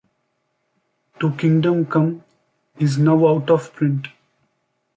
"To Kingdom Come" is now out of print.